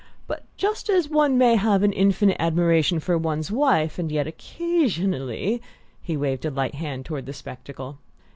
But just as one may have an infinite admiration for one's wife, and yet occasionally " he waved a light hand toward the spectacle.